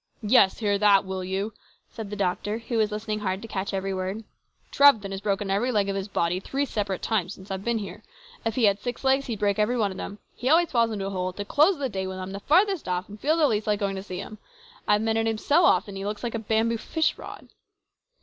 " Yes ; hear that, will you !" said the doctor, who was listening hard to catch every word. "Trethven has broken every leg of his body three separate times since I've been here. If he had six legs, he'd break every one of them. He always falls into a hole at the close of the day, when I'm the farthest off and feel the least like going to see him. I've mended him so often that he looks like a bamboo fish rod."